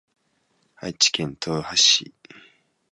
愛知県豊橋市